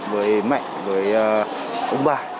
với mẹ với ông bà